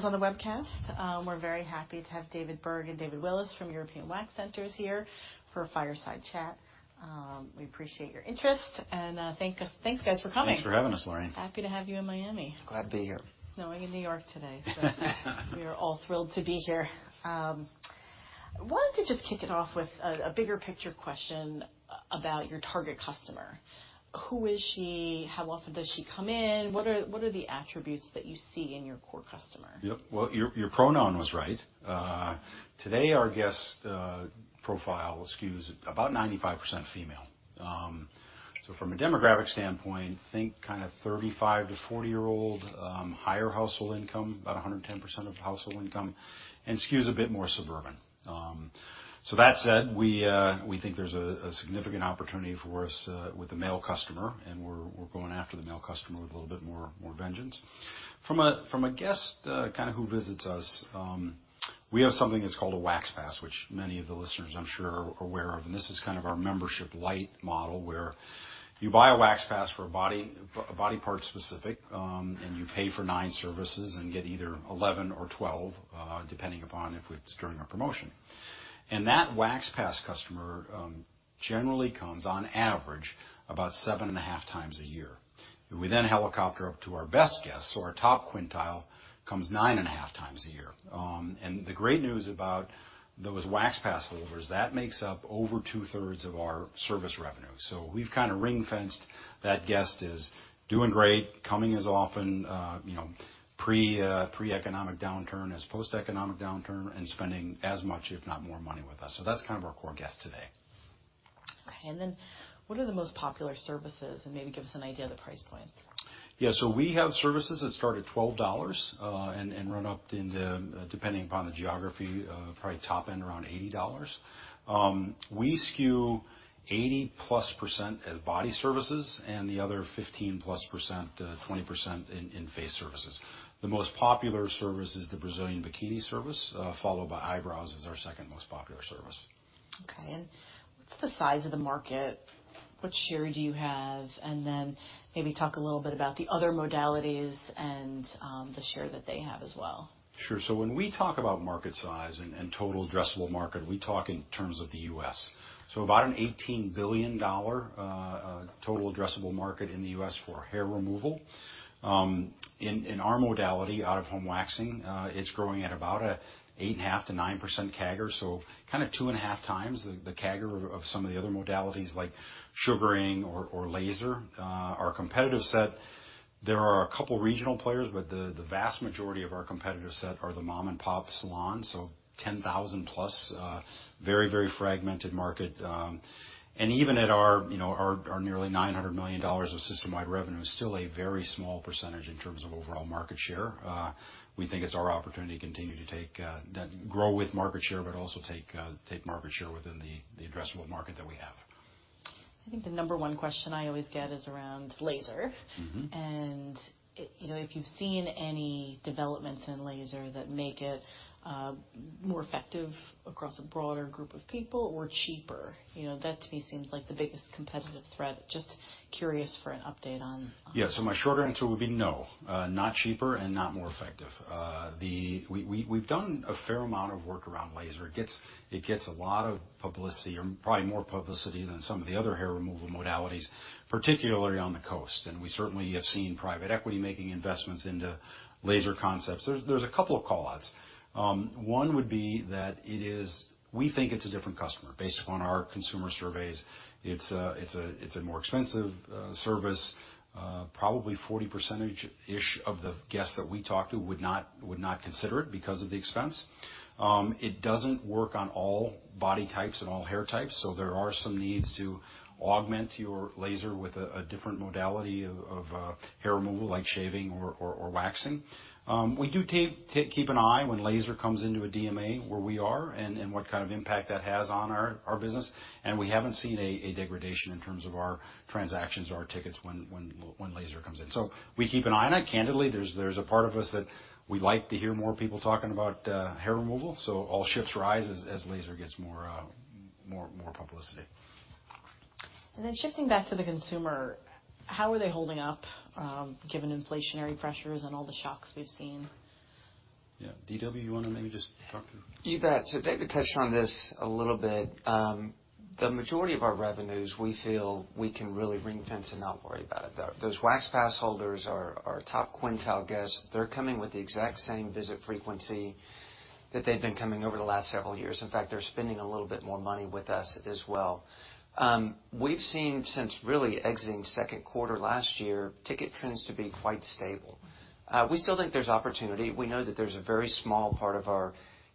Joining those on the webcast, we're very happy to have David Berg and David Willis from European Wax Center here for a fireside chat. We appreciate your interest and thanks, guys, for coming. Thanks for having us, Lauren. Happy to have you in Miami. Glad to be here. It's snowing in New York today. We are all thrilled to be here. Wanted to just kick it off with a bigger picture question about your target customer. Who is she? How often does she come in? What are the attributes that you see in your core customer? Yep. Well, your pronoun was right. Today, our guest profile skews about 95% female. From a demographic standpoint, think kind of 35-40-year-old, higher household income, about 110% of household income, and skews a bit more suburban. That said, we think there's a significant opportunity for us with the male customer, and we're going after the male customer with a little bit more vengeance. From a guest, kind of who visits us, we have something that's called a Wax Pass, which many of the listeners I'm sure are aware of. This is kind of our membership light model, where you buy a Wax Pass for body part specific, and you pay for nine services and get either 11 or 12, depending upon if it's during our promotion. That Wax Pass customer, generally comes on average about seven and a half times a year. We helicopter up to our best guests, so our top quintile comes nine and a half times a year. The great news about those Wax Pass holders, that makes up over two-thirds of our service revenue. We've kind of ring-fenced that guest is doing great, coming as often, you know, pre-economic downturn as post-economic downturn and spending as much, if not more money with us. That's kind of our core guest today. Okay. Then what are the most popular services? Maybe give us an idea of the price points. We have services that start at $12 and run up into, depending upon the geography, probably top end around $80. We skew 80%+ as body services and the other 15%+, 20% in face services. The most popular service is the Brazilian bikini service, followed by eyebrows as our second most popular service. Okay. What's the size of the market? What share do you have? Maybe talk a little bit about the other modalities and the share that they have as well. Sure. When we talk about market size and total addressable market, we talk in terms of the U.S., about an $18 billion total addressable market in the U.S. for hair removal. In our modality, out of home waxing, it's growing at about a 8.5%-9% CAGR. Kind of 2.5x the CAGR of some of the other modalities like sugaring or laser. Our competitive set, there are a couple regional players, but the vast majority of our competitive set are the mom-and-pop salons. 10,000+, very, very fragmented market. Even at our, you know, our nearly $900 million of system-wide revenue is still a very small percentage in terms of overall market share. We think it's our opportunity to continue to take, grow with market share, but also take market share within the addressable market that we have. I think the number one question I always get is around laser. Mm-hmm. You know, if you've seen any developments in laser that make it more effective across a broader group of people or cheaper. You know, that to me seems like the biggest competitive threat. Just curious for an update on. My shorter answer would be no, not cheaper and not more effective. We've done a fair amount of work around laser. It gets a lot of publicity or probably more publicity than some of the other hair removal modalities, particularly on the coast. We certainly have seen private equity making investments into laser concepts. There's a couple of call-outs. One would be that we think it's a different customer based upon our consumer surveys. It's a more expensive service. Probably 40%-ish of the guests that we talk to would not consider it because of the expense. It doesn't work on all body types and all hair types, so there are some needs to augment your laser with a different modality of hair removal like shaving or waxing. We keep an eye when laser comes into a DMA where we are and what kind of impact that has on our business. We haven't seen a degradation in terms of our transactions or our tickets when laser comes in. We keep an eye on it. Candidly, there's a part of us that we like to hear more people talking about hair removal. All ships rise as laser gets more publicity. Shifting back to the consumer, how are they holding up, given inflationary pressures and all the shocks we've seen? Yeah. DW, you wanna maybe just talk to. You bet. David touched on this a little bit. The majority of our revenues, we feel we can really ring-fence and not worry about it. Those Wax Pass holders are our top quintile guests. They're coming with the exact same visit frequency that they've been coming over the last several years. In fact, they're spending a little bit more money with us as well. We've seen since really exiting 2Q last year, ticket trends to be quite stable. We still think there's opportunity. We know that there's a very small part of our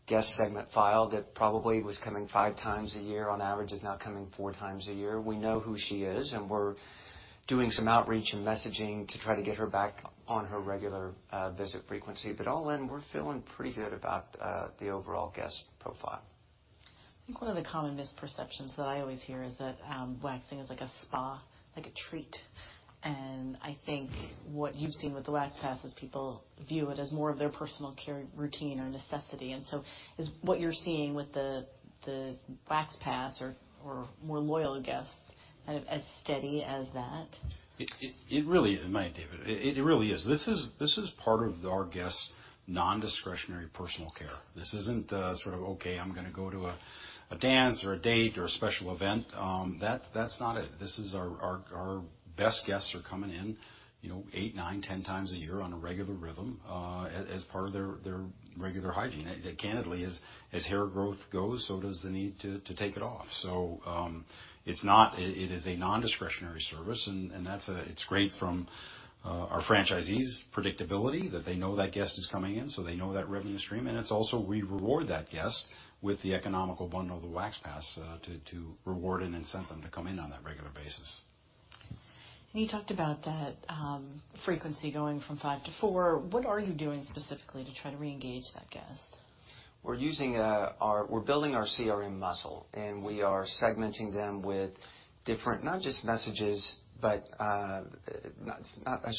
guest segment file that probably was coming five times a year on average, is now coming four times a year. We know who she is, and we're doing some outreach and messaging to try to get her back on her regular visit frequency. All in, we're feeling pretty good about the overall guest profile. I think one of the common misperceptions that I always hear is that, waxing is like a spa, like a treat. What you've seen with the Wax Pass is people view it as more of their personal care routine or necessity. Is what you're seeing with the Wax Pass or more loyal guests, as steady as that? It really, in my opinion, it really is. This is part of our guests' non-discretionary personal care. This isn't sort of, okay, I'm gonna go to a dance or a date or a special event. That's not it. This is our best guests are coming in, you know, eight, nine, 10 times a year on a regular rhythm, as part of their regular hygiene. Candidly, as hair growth goes, so does the need to take it off. It's not, it is a non-discretionary service, and that's... it's great from our franchisees' predictability that they know that guest is coming in, so they know that revenue stream. It's also we reward that guest with the economical bundle of the Wax Pass, to reward and incent them to come in on that regular basis. You talked about that frequency going from five to four. What are you doing specifically to try to re-engage that guest? We're using, we're building our CRM muscle. We are segmenting them with different not just messages, but, I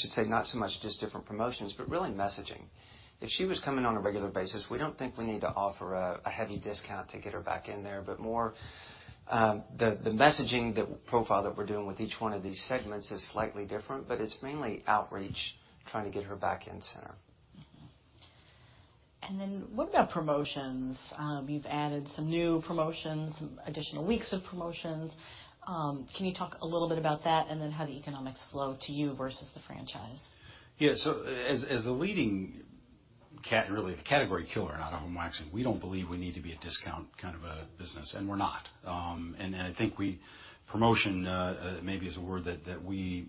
should say, not so much just different promotions, but really messaging. If she was coming on a regular basis, we don't think we need to offer a heavy discount to get her back in there. More, the messaging, the profile that we're doing with each one of these segments is slightly different, but it's mainly outreach, trying to get her back in-center. Mm-hmm. What about promotions? You've added some new promotions, some additional weeks of promotions. Can you talk a little bit about that and then how the economics flow to you versus the franchise? As the leading really the category killer in out-of-home waxing, we don't believe we need to be a discount kind of a business, and we're not. I think we promotion maybe is a word that we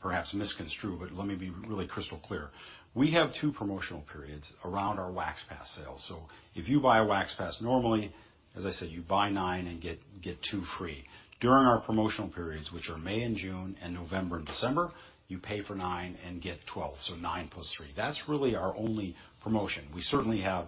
perhaps misconstrue, but let me be really crystal clear. We have two promotional periods around our Wax Pass sale. If you buy a Wax Pass normally, as I said, you buy nine and get two free. During our promotional periods, which are May and June and November and December, you pay for nine and get 12, so 9+3. That's really our only promotion. We certainly have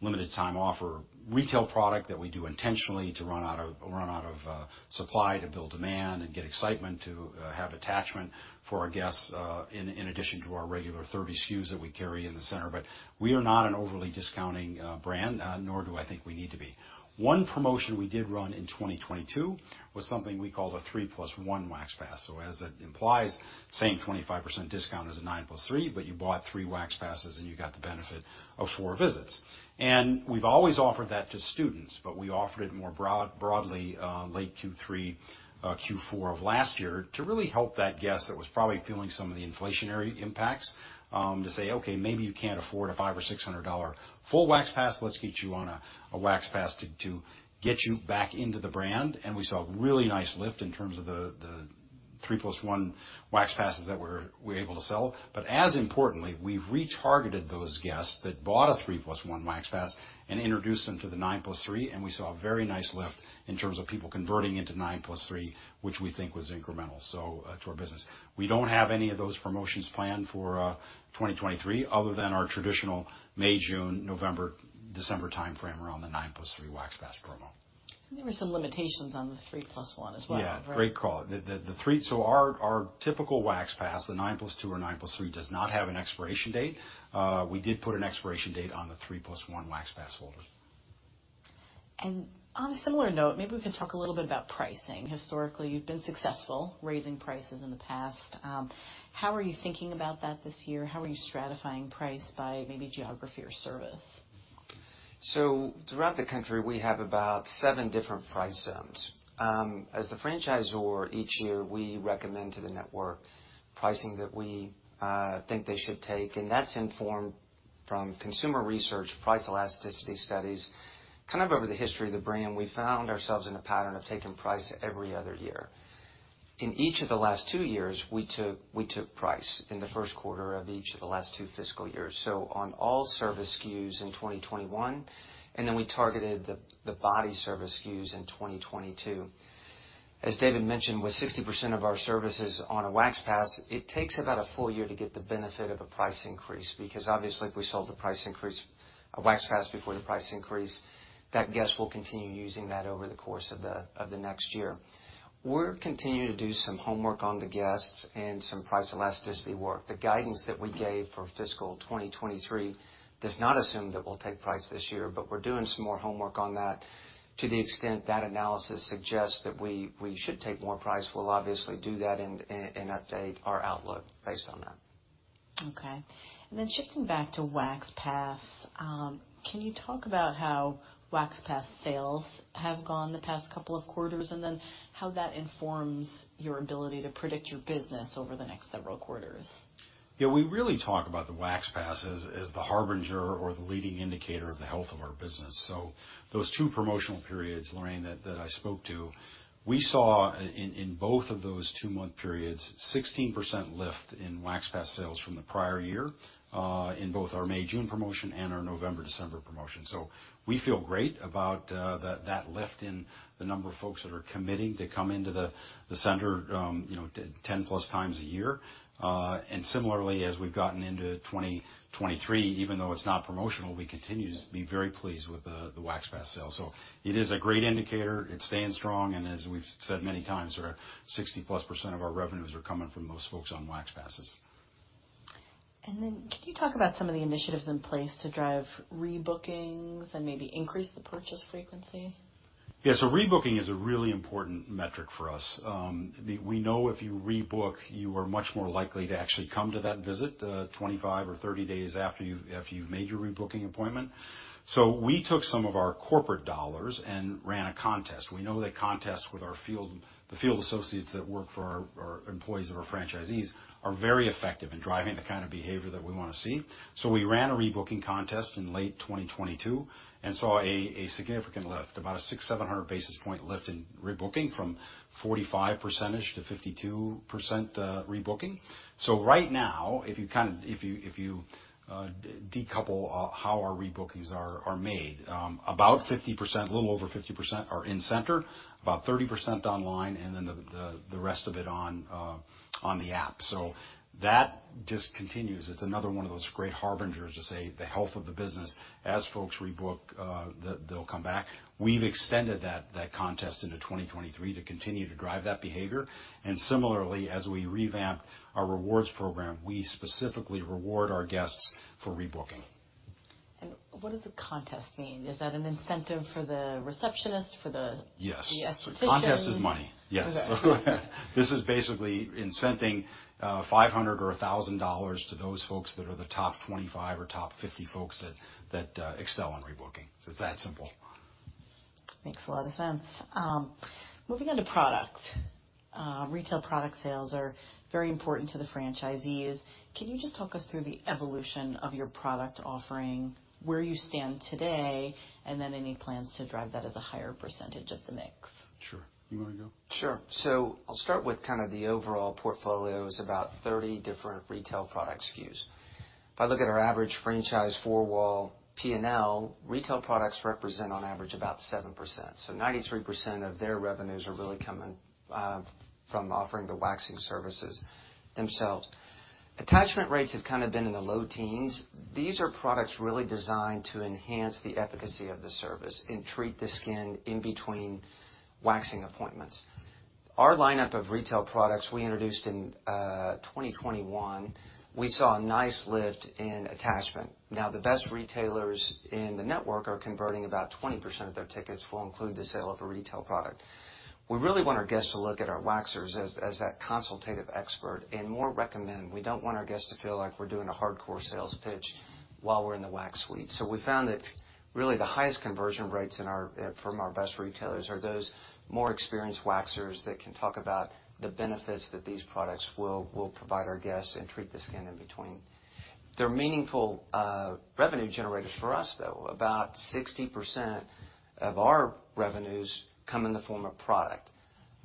limited time offer retail product that we do intentionally to run out of supply to build demand and get excitement to have attachment for our guests in addition to our regular 30 SKUs that we carry in the center. We are not an overly discounting brand nor do I think we need to be. One promotion we did run in 2022 was something we called a 3+1 Wax Pass. As it implies, same 25% discount as a 9+3, you bought three Wax Passes, and you got the benefit of four visits. We've always offered that to students, but we offered it more broad, broadly, late Q3, Q4 of last year to really help that guest that was probably feeling some of the inflationary impacts to say, "Okay, maybe you can't afford a $500 or $600 full Wax Pass. Let's get you on a Wax Pass to get you back into the brand." We saw a really nice lift in terms of the 3+1 Wax Passes that we were able to sell. As importantly, we've retargeted those guests that bought a 3+1 Wax Pass and introduced them to the 9+3, and we saw a very nice lift in terms of people converting into 9+3, which we think was incremental to our business. We don't have any of those promotions planned for 2023, other than our traditional May/June, November/December timeframe around the 9+3 Wax Pass promo. There were some limitations on the 3+1 as well, right? Yeah, great call. Our typical Wax Pass, the nine plus two or 9+3, does not have an expiration date. We did put an expiration date on the 3+1 Wax Pass holders. On a similar note, maybe we can talk a little bit about pricing. Historically, you've been successful raising prices in the past. How are you thinking about that this year? How are you stratifying price by maybe geography or service? Throughout the country, we have about seven different price zones. As the franchisor, each year, we recommend to the network pricing that we think they should take. That's informed from consumer research, price elasticity studies. Over the history of the brand, we found ourselves in a pattern of taking price every other year. In each of the last two years, we took price in the first quarter of each of the last two fiscal years on all service SKUs in 2021. We targeted the body service SKUs in 2022. As David mentioned, with 60% of our services on a Wax Pass, it takes about a full-year to get the benefit of a price increase because obviously, if we sold a Wax Pass before the price increase, that guest will continue using that over the course of the next year. We're continuing to do some homework on the guests and some price elasticity work. The guidance that we gave for fiscal year 2023 does not assume that we'll take price this year, but we're doing some more homework on that. To the extent that analysis suggests that we should take more price, we'll obviously do that and update our outlook based on that. Okay. Shifting back to Wax Pass, can you talk about how Wax Pass sales have gone the past couple of quarters, and then how that informs your ability to predict your business over the next several quarters? We really talk about the Wax Pass as the harbinger or the leading indicator of the health of our business. Those two-month promotional periods, Lauren, that I spoke to, we saw in both of those two-month periods 16% lift in Wax Pass sales from the prior year in both our May/June promotion and our November/December promotion. We feel great about that lift in the number of folks that are committing to come into the center, you know, 10+ times a year. Similarly, as we've gotten into 2023, even though it's not promotional, we continue to be very pleased with the Wax Pass sale. It is a great indicator. It's staying strong, and as we've said many times, our 60%+ of our revenues are coming from those folks on Wax Passes. Can you talk about some of the initiatives in place to drive rebookings and maybe increase the purchase frequency? Yes. Rebooking is a really important metric for us. We know if you rebook, you are much more likely to actually come to that visit 25 or 30 days after you've made your rebooking appointment. We took some of our corporate dollars and ran a contest. We know that contests with our field, the field associates that work for our employees and our franchisees are very effective in driving the kind of behavior that we wanna see. We ran a rebooking contest in late 2022 and saw a significant lift, about a 600-700 basis point lift in rebooking from 45% to 52% rebooking. Right now, if you decouple how our rebookings are made, about 50%, a little over 50% are in-center, about 30% online, and then the rest of it on the app. That just continues. It's another one of those great harbingers to say the health of the business. As folks rebook, they'll come back. We've extended that contest into 2023 to continue to drive that behavior. Similarly, as we revamp our rewards program, we specifically reward our guests for rebooking. What does a contest mean? Is that an incentive for the receptionist? Yes. The esthetician? Contest is money. Yes. Okay. This is basically incenting, $500 or $1,000 to those folks that are the top 25 or top 50 folks that excel on rebooking. It's that simple. Makes a lot of sense. Moving on to product. Retail product sales are very important to the franchisees. Can you just talk us through the evolution of your product offering, where you stand today, and then any plans to drive that as a higher percentage of the mix? Sure. You wanna go? Sure. I'll start with kind of the overall portfolio is about 30 different retail product SKUs. If I look at our average franchise four-wall P&L, retail products represent on average about 7%. 93% of their revenues are really coming from offering the waxing services themselves. Attachment rates have kind of been in the low teens. These are products really designed to enhance the efficacy of the service and treat the skin in between waxing appointments. Our lineup of retail products we introduced in 2021, we saw a nice lift in attachment. The best retailers in the network are converting about 20% of their tickets will include the sale of a retail product. We really want our guests to look at our waxers as that consultative expert and more recommend. We don't want our guests to feel like we're doing a hardcore sales pitch while we're in the wax suite. We found that really the highest conversion rates from our best retailers are those more experienced waxers that can talk about the benefits that these products will provide our guests and treat the skin in between. They're meaningful revenue generators for us, though. About 60% of our revenues come in the form of product.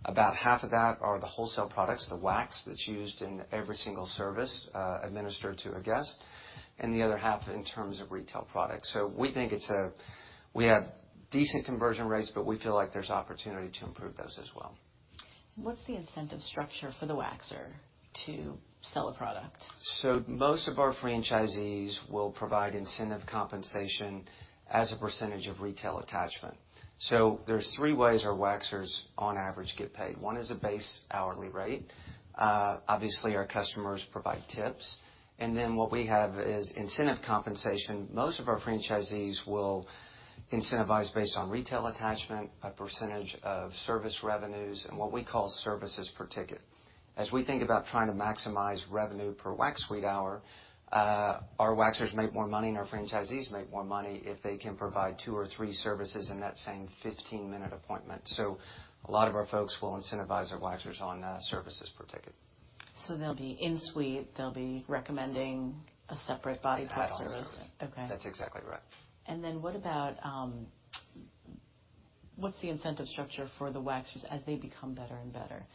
About half of that are the wholesale products, the wax that's used in every single service administered to a guest, and the other half in terms of retail products. We think we have decent conversion rates, but we feel like there's opportunity to improve those as well. What's the incentive structure for the waxer to sell a product? Most of our franchisees will provide incentive compensation as a percentage of retail attachment. There's three ways our waxers on average get paid. 1 is a base hourly rate. Obviously, our customers provide tips. What we have is incentive compensation. Most of our franchisees will incentivize based on retail attachment, a percentage of service revenues, and what we call services per ticket. We think about trying to maximize revenue per wax suite hour, our waxers make more money and our franchisees make more money if they can provide two or three services in that same 15-minute appointment. A lot of our folks will incentivize their waxers on services per ticket. They'll be in suite, they'll be recommending a separate body polish service. Absolutely. Okay. That's exactly right. What about what's the incentive structure for the waxers as they become better and better?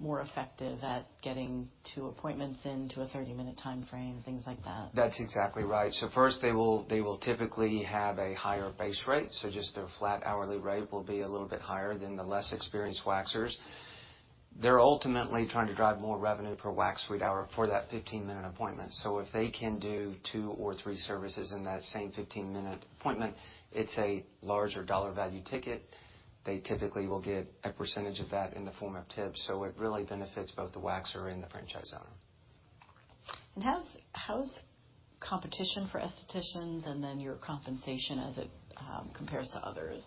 More effective at getting two appointments into a 30-minute timeframe, things like that. That's exactly right. First they will typically have a higher base rate, so just their flat hourly rate will be a little bit higher than the less experienced waxers. They're ultimately trying to drive more revenue per wax suite hour for that 15-minute appointment. If they can do two or three services in that same 15-minute appointment, it's a larger dollar value ticket. They typically will get a percentage of that in the form of tips. It really benefits both the waxer and the franchise owner. How's competition for estheticians and then your compensation as it compares to others?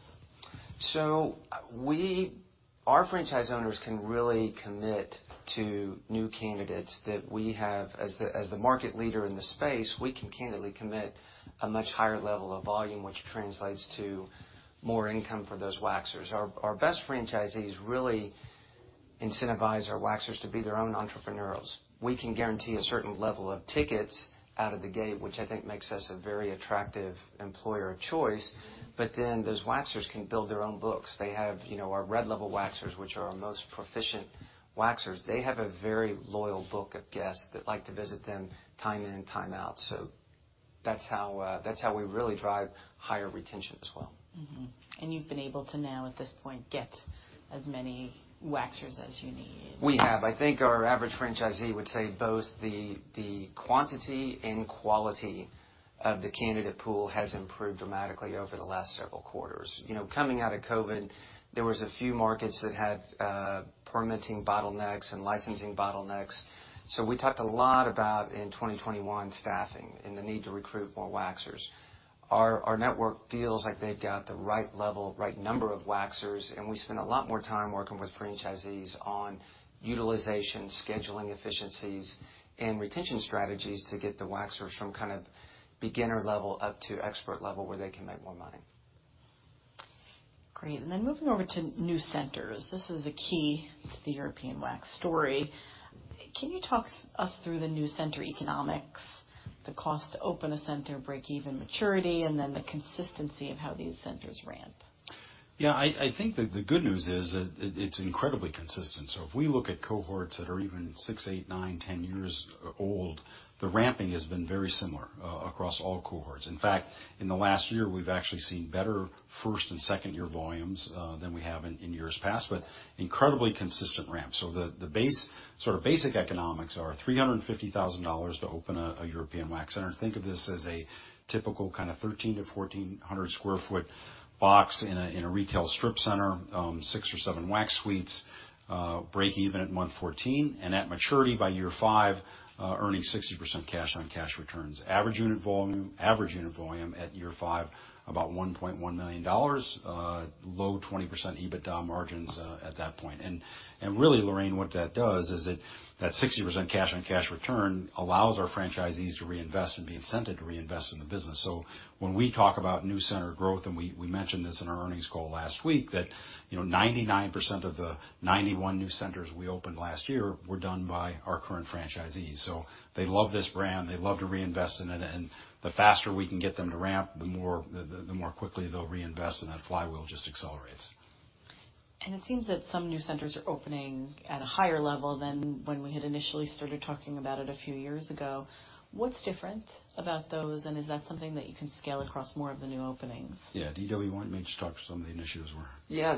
Our franchise owners can really commit to new candidates that we have. As the market leader in the space, we can candidly commit a much higher level of volume, which translates to more income for those waxers. Our best franchisees really incentivize our waxers to be their own entrepreneurials. We can guarantee a certain level of tickets out of the gate, which I think makes us a very attractive employer of choice. Those waxers can build their own books. They have, you know, our Red Level waxers, which are our most proficient waxers, they have a very loyal book of guests that like to visit them time in and time out. That's how we really drive higher retention as well. Mm-hmm. you've been able to now, at this point, get as many waxers as you need. We have. I think our average franchisee would say both the quantity and quality of the candidate pool has improved dramatically over the last several quarters. You know, coming out of COVID, there was a few markets that had permitting bottlenecks and licensing bottlenecks. We talked a lot about, in 2021, staffing and the need to recruit more waxers. Our network feels like they've got the right level, right number of waxers, and we spend a lot more time working with franchisees on utilization, scheduling efficiencies, and retention strategies to get the waxers from kind of beginner level up to expert level where they can make more money. Great. Moving over to new centers, this is a key to the European Wax story. Can you talk us through the new center economics, the cost to open a center, breakeven maturity, and then the consistency of how these centers ramp? Yeah, I think that the good news is that it's incredibly consistent. If we look at cohorts that are even six, eight, nine, 10 years old, the ramping has been very similar across all cohorts. In fact, in the last year, we've actually seen better first and second year volumes than we have in years past, but incredibly consistent ramp. The basic economics are $350,000 to open a European Wax Center. Think of this as a typical kind of 1,300 sq ft-1,400 sq ft box in a retail strip center, six or seven wax suites, breakeven at month 14, and at maturity by year five, earning 60% cash-on-cash returns. Average unit volume, average unit volume at year five, about $1.1 million, low 20% EBITDA margins at that point. Really, Lauren, what that does is that 60% cash-on-cash return allows our franchisees to reinvest and be incented to reinvest in the business. When we talk about new center growth, and we mentioned this in our earnings call last week, that, you know, 99% of the 91 new centers we opened last year were done by our current franchisees. They love this brand, they love to reinvest in it, and the faster we can get them to ramp, the more, the more quickly they'll reinvest, and that flywheel just accelerates. It seems that some new centers are opening at a higher level than when we had initially started talking about it a few years ago. What's different about those, and is that something that you can scale across more of the new openings? Yeah. DW, why don't you talk to some of the initiatives we're in? Yeah.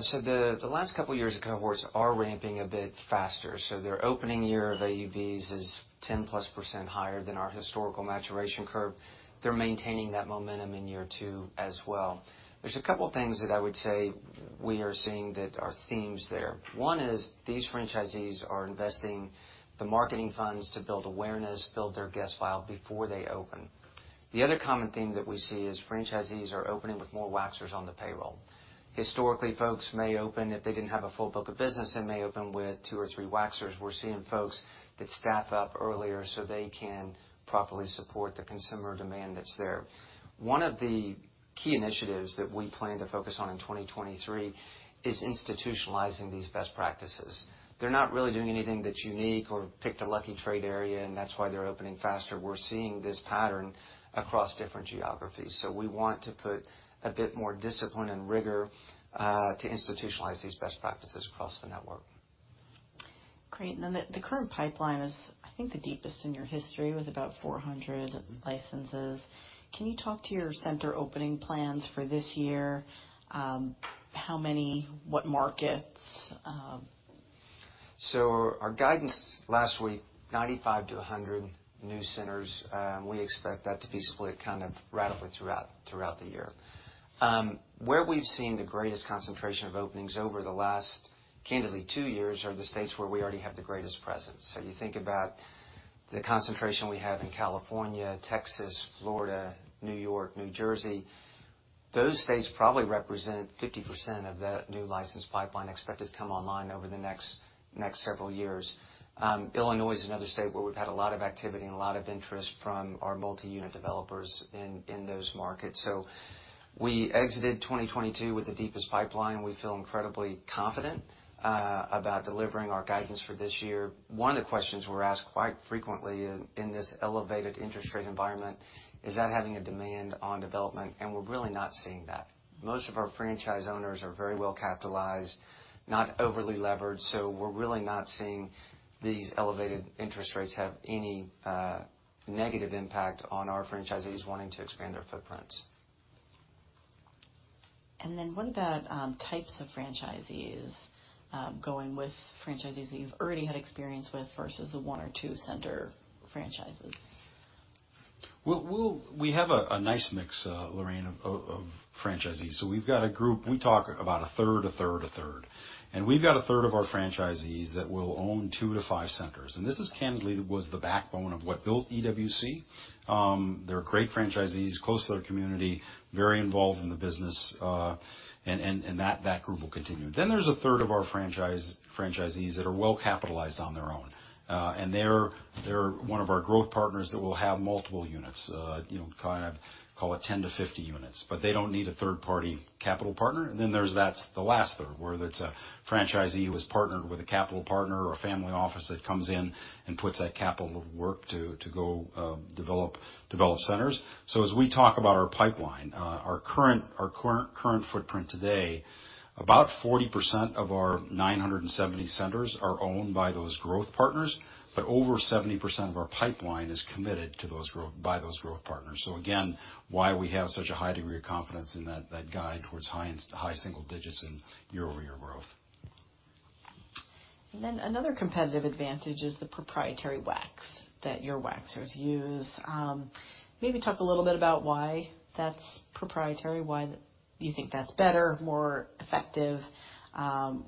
The last couple years of cohorts are ramping a bit faster. Their opening year of AUVs is 10%+ higher than our historical maturation curve. They're maintaining that momentum in year two as well. There's a couple things that I would say we are seeing that are themes there. One is these franchisees are investing the marketing funds to build awareness, build their guest file before they open. The other common theme that we see is franchisees are opening with more waxers on the payroll. Historically, folks may open, if they didn't have a full book of business, they may open with two or three waxers. We're seeing folks that staff up earlier so they can properly support the consumer demand that's there. One of the key initiatives that we plan to focus on in 2023 is institutionalizing these best practices. They're not really doing anything that's unique or picked a lucky trade area, and that's why they're opening faster. We're seeing this pattern across different geographies. We want to put a bit more discipline and rigor, to institutionalize these best practices across the network. Great. The current pipeline is, I think, the deepest in your history with about 400 licenses. Can you talk to your center opening plans for this year? How many? What markets? Our guidance last week, 95-100 new centers. We expect that to be split kind of radically throughout the year. Where we've seen the greatest concentration of openings over the last, candidly, two years are the states where we already have the greatest presence. You think about the concentration we have in California, Texas, Florida, New York, New Jersey. Those states probably represent 50% of that new license pipeline expected to come online over the next several years. Illinois is another state where we've had a lot of activity and a lot of interest from our multi-unit developers in those markets. We exited 2022 with the deepest pipeline. We feel incredibly confident about delivering our guidance for this year. One of the questions we're asked quite frequently in this elevated interest rate environment, is that having a demand on development? We're really not seeing that. Most of our franchise owners are very well capitalized, not overly levered, so we're really not seeing these elevated interest rates have any negative impact on our franchisees wanting to expand their footprints. What about types of franchisees, going with franchisees that you've already had experience with versus the one or two center franchises? We'll. We have a nice mix, Lauren, of franchisees. We've got a group, we talk about a third, a third, a third. We've got a third of our franchisees that will own two to five centers. This is candidly was the backbone of what built EWC. They're great franchisees, close to their community, very involved in the business, and that group will continue. There's a third of our franchisees that are well capitalized on their own. And they're one of our growth partners that will have multiple units, you know, kind of call it 10 to 50 units. They don't need a third-party capital partner. There's that, the last third, where that's a franchisee who has partnered with a capital partner or a family office that comes in and puts that capital to work to go develop centers. As we talk about our pipeline, our current footprint today, about 40% of our 970 centers are owned by those growth partners, but over 70% of our pipeline is committed by those growth partners. Again, why we have such a high degree of confidence in that guide towards high single digits in year-over-year growth. Another competitive advantage is the proprietary wax that your waxers use. Maybe talk a little bit about why that's proprietary, why you think that's better, more effective,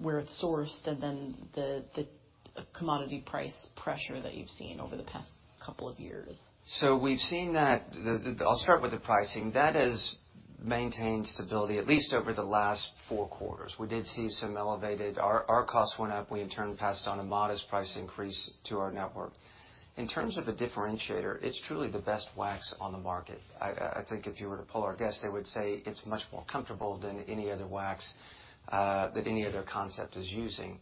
where it's sourced, and then the commodity price pressure that you've seen over the past couple of years. I'll start with the pricing. That has maintained stability at least over the last four quarters. Our costs went up. We in turn passed on a modest price increase to our network. In terms of a differentiator, it's truly the best wax on the market. I think if you were to poll our guests, they would say it's much more comfortable than any other wax that any other concept is using.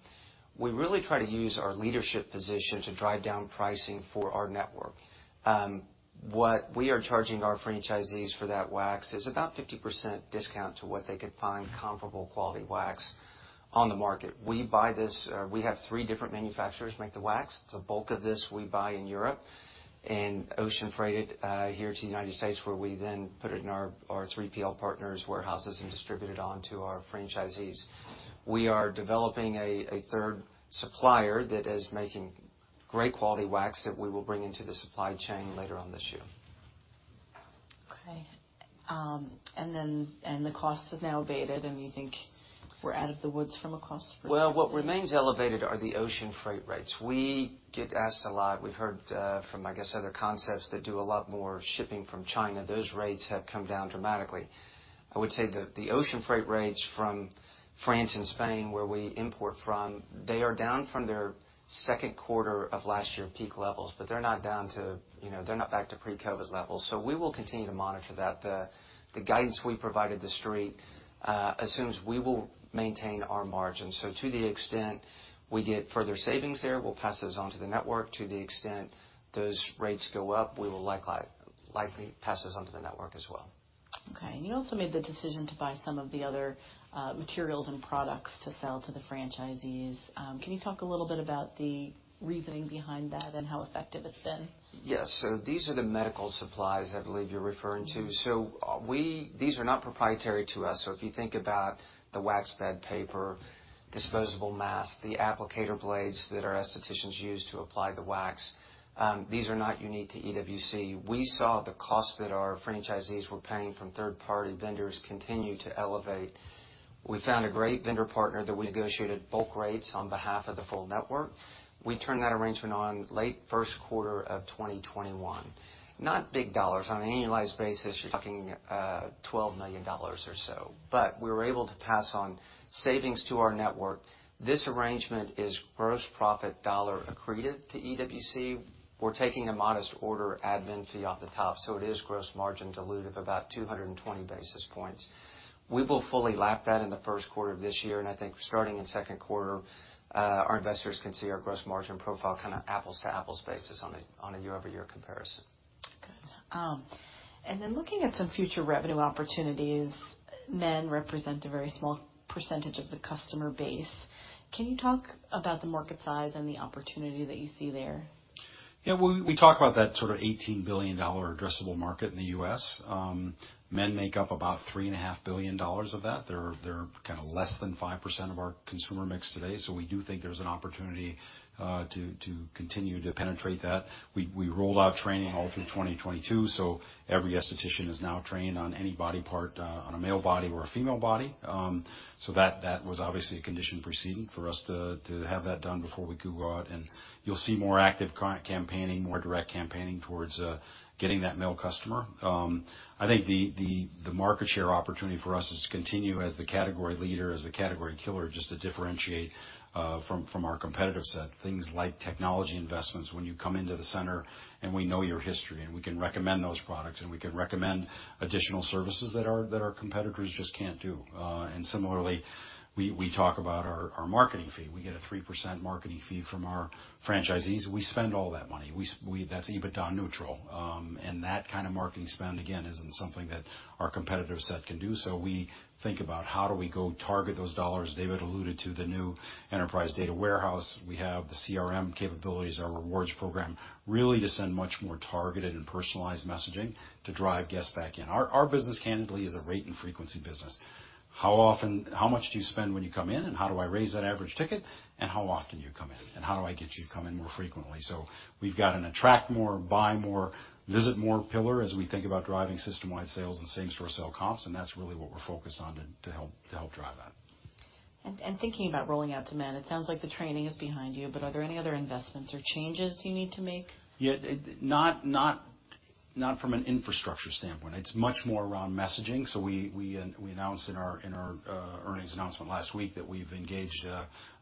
We really try to use our leadership position to drive down pricing for our network. What we are charging our franchisees for that wax is about 50% discount to what they could find comparable quality wax on the market. We buy this. We have three different manufacturers make the wax. The bulk of this we buy in Europe and ocean freight it here to the United States, where we then put it in our 3PL partners' warehouses and distribute it on to our franchisees. We are developing a third supplier that is making great quality wax that we will bring into the supply chain later on this year. Okay. The costs have now abated, and you think we're out of the woods from a cost perspective? Well, what remains elevated are the ocean freight rates. We get asked a lot. We've heard from, I guess, other concepts that do a lot more shipping from China. Those rates have come down dramatically. I would say that the ocean freight rates from France and Spain, where we import from, they are down from their second quarter of last year peak levels, but they're not down to, you know, they're not back to pre-COVID levels. We will continue to monitor that. The guidance we provided the Street assumes we will maintain our margins. To the extent we get further savings there, we'll pass those on to the network. To the extent those rates go up, we will likely pass those on to the network as well. Okay. You also made the decision to buy some of the other materials and products to sell to the franchisees. Can you talk a little bit about the reasoning behind that and how effective it's been? Yes. These are the medical supplies I believe you're referring to. Mm-hmm. These are not proprietary to us. If you think about the wax bed paper, disposable masks, the applicator blades that our aestheticians use to apply the wax, these are not unique to EWC. We saw the cost that our franchisees were paying from third-party vendors continue to elevate. We found a great vendor partner that we negotiated bulk rates on behalf of the full network. We turned that arrangement on late first quarter of 2021. Not big dollars. On an annualized basis, you're talking $12 million or so, but we were able to pass on savings to our network. This arrangement is gross profit dollar accretive to EWC. We're taking a modest order admin fee off the top, so it is gross margin dilutive, about 220 basis points. We will fully lap that in the first quarter of this year, and I think starting in second quarter, our investors can see our gross margin profile kind of apples to apples basis on a year-over-year comparison. Good. Looking at some future revenue opportunities, men represent a very small percentage of the customer base. Can you talk about the market size and the opportunity that you see there? Well, we talk about that sort of $18 billion addressable market in the U.S.. Men make up about $3.5 billion of that. They're kind of less than 5% of our consumer mix today, so we do think there's an opportunity to continue to penetrate that. We rolled out training all through 2022, so every aesthetician is now trained on any body part on a male body or a female body. That was obviously a condition precedent for us to have that done before we could go out, and you'll see more active campaigning, more direct campaigning towards getting that male customer. I think the market share opportunity for us is to continue as the category leader, as the category killer, just to differentiate from our competitive set, things like technology investments. When you come into the Center and we know your history, and we can recommend those products, and we can recommend additional services that our competitors just can't do. Similarly, we talk about our marketing fee. We get a 3% marketing fee from our franchisees. We spend all that money. That's EBITDA neutral. That kind of marketing spend, again, isn't something that our competitor set can do. We think about how do we go target those dollars. David alluded to the new Enterprise Data Warehouse. We have the CRM capabilities, our rewards program, really to send much more targeted and personalized messaging to drive guests back in. Our business, candidly, is a rate and frequency business. How much do you spend when you come in, and how do I raise that average ticket, and how often do you come in, and how do I get you to come in more frequently? We've got an attract more, buy more, visit more pillar as we think about driving system-wide sales and same-store sale comps, and that's really what we're focused on to help drive that. Thinking about rolling out to men, it sounds like the training is behind you, but are there any other investments or changes you need to make? Not from an infrastructure standpoint. It's much more around messaging. We announced in our earnings announcement last week that we've engaged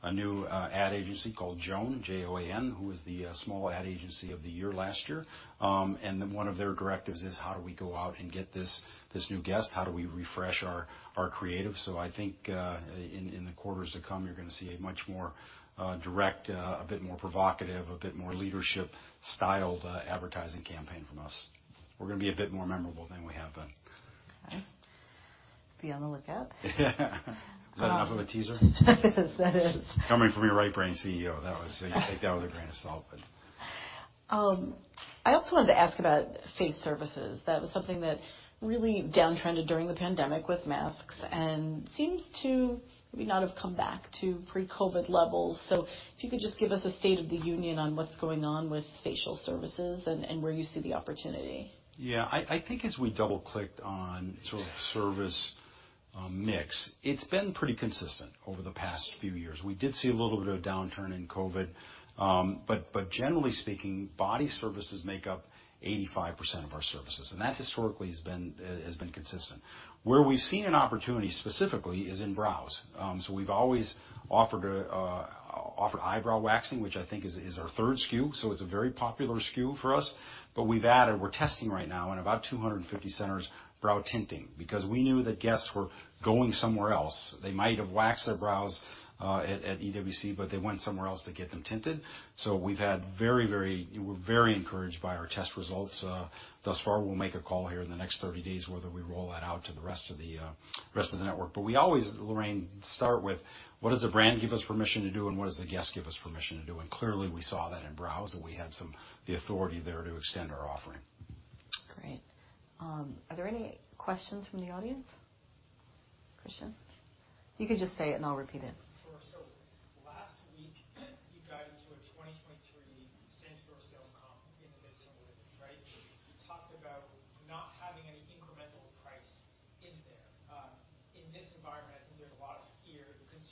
a new ad agency called JOAN, J-O-A-N, who was the small ad agency of the year last year. One of their directives is: How do we go out and get this new guest? How do we refresh our creative? I think in the quarters to come, you're gonna see a much more direct, a bit more provocative, a bit more leadership styled advertising campaign from us. We're gonna be a bit more memorable than we have been. Okay. Be on the lookout. Was that enough of a teaser? That is. Coming from your right brain CEO, that was... Take that with a grain of salt, but... I also wanted to ask about face services. That was something that really downtrended during the pandemic with masks and seems to maybe not have come back to pre-COVID levels. If you could just give us a state of the union on what's going on with facial services and where you see the opportunity. Yeah. I think as we double-clicked on sort of service mix, it's been pretty consistent over the past few years. We did see a little bit of downturn in COVID. Generally speaking, body services make up 85% of our services, and that historically has been consistent. Where we've seen an opportunity specifically is in brows. We've always offered eyebrow waxing, which I think is our third SKU. It's a very popular SKU for us. We're testing right now in about 250 centers, brow tinting, because we knew that guests were going somewhere else. They might have waxed their brows at EWC, but they went somewhere else to get them tinted. We're very encouraged by our test results thus far. We'll make a call here in the next 30 days, whether we roll that out to the rest of the rest of the network. We always, Lauren, start with what does the brand give us permission to do and what does the guest give us permission to do? Clearly, we saw that in brows, we had the authority there to extend our offering. Great. Are there any questions from the audience? Christian? You can just say it, and I'll repeat it. Sure. Last week, you guided to a 20.3 same-store sales comp in the mid-single digits, right? You talked about not having any incremental price in there. In this environment,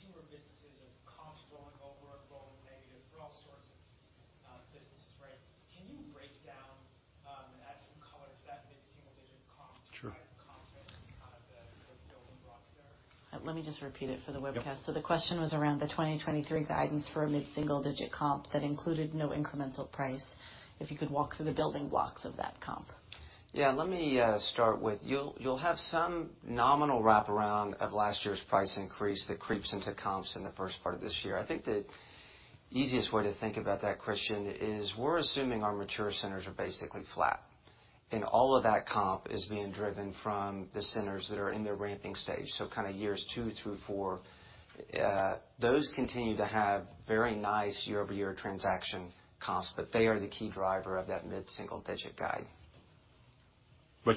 I think there's a lot of fear. Consumer businesses have comps going lower or going negative for all sorts of businesses, right? Can you break down and add some color to that mid-single-digit comp. Sure. Guide and comp there and kind of the building blocks there? Let me just repeat it for the webcast. Yep. The question was around the 2023 guidance for a mid-single-digit comp that included no incremental price. If you could walk through the building blocks of that comp. Yeah. Let me start with you'll have some nominal wraparound of last year's price increase that creeps into comps in the first part of this year. I think the easiest way to think about that, Christian, is we're assuming our mature centers are basically flat, and all of that comp is being driven from the centers that are in their ramping stage. Kinda years two through four. Those continue to have very nice year-over-year transaction comps, but they are the key driver of that mid-single-digit guide.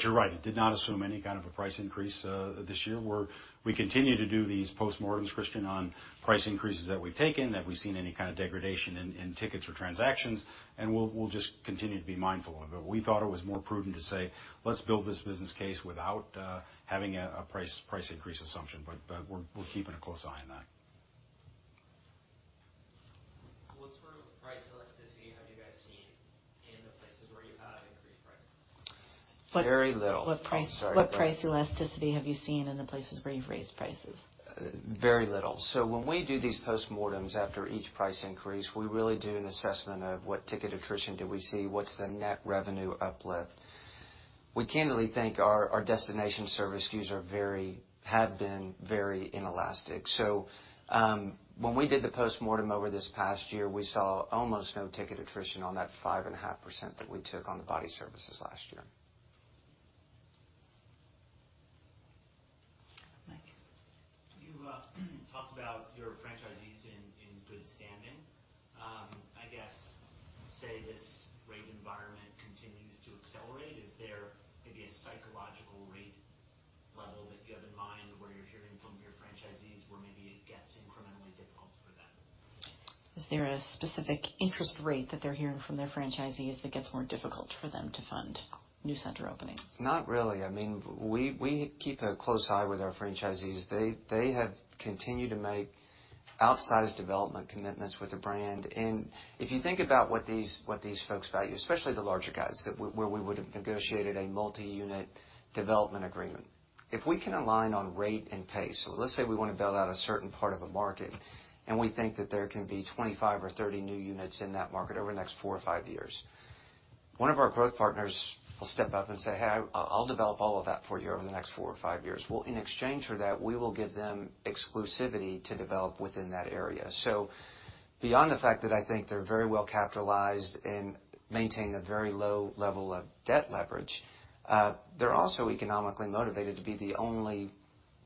You're right. It did not assume any kind of a price increase this year. We continue to do these postmortems, Christian, on price increases that we've taken, have we seen any kind of degradation in tickets or transactions, and we'll just continue to be mindful of it. We thought it was more prudent to say, let's build this business case without having a price increase assumption. We're keeping a close eye on that. What sort of price elasticity have you guys seen in the places where you have increased pricing? Very little. What price- Oh, sorry, Lauren. What price elasticity have you seen in the places where you've raised prices? Very little. When we do these postmortems after each price increase, we really do an assessment of what ticket attrition do we see, what's the net revenue uplift. We candidly think our destination service SKUs have been very inelastic. When we did the postmortem over this past year, we saw almost no ticket attrition on that 5.5% that we took on the body services last year. Mike. You talked about your franchisees in good standing. I guess, say this rate environment continues to accelerate. Is there maybe a psychological rate level that you have in mind where you're hearing from your franchisees where maybe it gets incrementally difficult for them? Is there a specific interest rate that they're hearing from their franchisees that gets more difficult for them to fund new center openings? Not really. I mean, we keep a close eye with our franchisees. They have continued to make outsized development commitments with the brand. If you think about what these folks value, especially the larger guys, where we would have negotiated a multi-unit development agreement. If we can align on rate and pace, so let's say we wanna build out a certain part of a market, and we think that there can be 25 or 30 new units in that market over the next four or five years, one of our growth partners will step up and say, "Hey, I'll develop all of that for you over the next four or five years." In exchange for that, we will give them exclusivity to develop within that area. Beyond the fact that I think they're very well capitalized and maintain a very low level of debt leverage, they're also economically motivated to be the only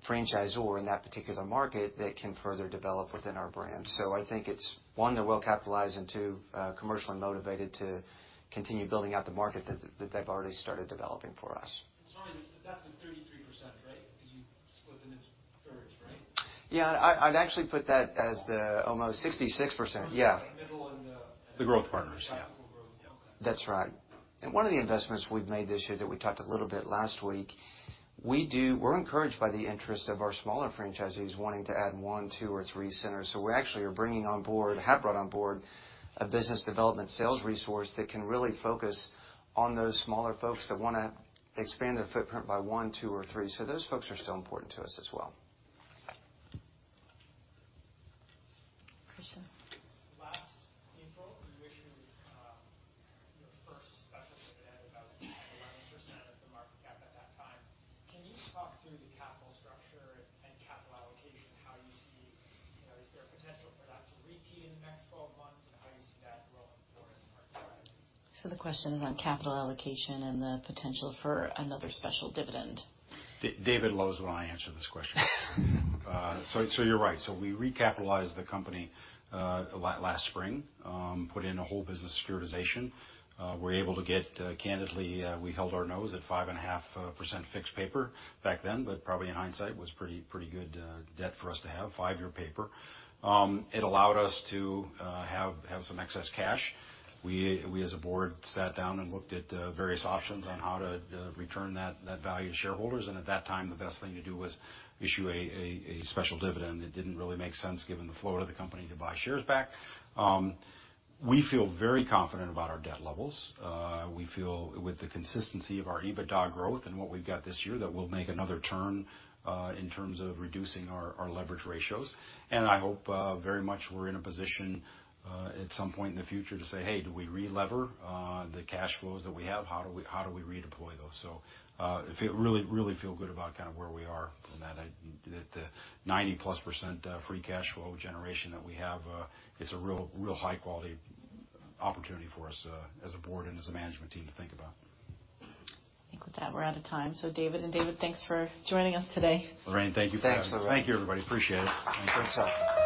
franchisor in that particular market that can further develop within our brand. I think it's, one, they're well capitalized and, two, commercially motivated to continue building out the market that they've already started developing for us. Sorry, that's the 33%, right? 'Cause you split them into thirds, right? Yeah. I'd actually put that as almost 66%. Yeah. The growth partners. That's right. One of the investments we've made this year that we talked a little bit last week, we're encouraged by the interest of our smaller franchisees wanting to add one, two, or three centers. We actually have brought on board a business development sales resource that can really focus on those smaller folks that wanna expand their footprint by one, two, or three. Those folks are still important to us as well. Christian. Last April, you issued your first special dividend of 11% of the market cap at that time. Can you talk through the capital structure and capital allocation? You know, is there potential for that to repeat in the next 12 months and how you see that rolling forward as a market driver? The question is on capital allocation and the potential for another special dividend. David Berg will wanna answer this question. You're right. We recapitalized the company last spring. Put in a whole business securitization. We were able to get, candidly, we held our nose at 5.5% fixed paper back then, but probably in hindsight was pretty good debt for us to have, five-year paper. It allowed us to have some excess cash. We as a board, sat down and looked at various options on how to return that value to shareholders. At that time, the best thing to do was issue a special dividend. It didn't really make sense given the flow of the company to buy shares back. We feel very confident about our debt levels. We feel with the consistency of our EBITDA growth and what we've got this year, that we'll make another turn in terms of reducing our leverage ratios. I hope very much we're in a position at some point in the future to say, "Hey, do we relever the cash flows that we have? How do we redeploy those?" Really feel good about kind of where we are from that. The 90%+ free cash flow generation that we have is a real high quality opportunity for us as a board and as a management team to think about. I think with that, we're out of time. David and David, thanks for joining us today. Lauren, thank you for having us. Thanks, Lauren. Thank you, everybody. Appreciate it.